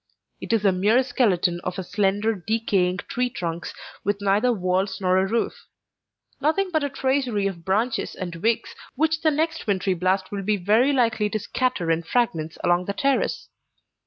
It is a mere skeleton of slender, decaying tree trunks, with neither walls nor a roof; nothing but a tracery of branches and twigs, which the next wintry blast will be very likely to scatter in fragments along the terrace.